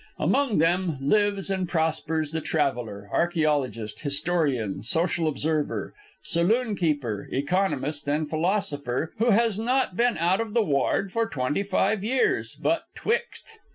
Among them lives and prospers the traveller, archæologist, historian, social observer, saloon keeper, economist, and philosopher, who has not been out of the ward for twenty five years "but twict."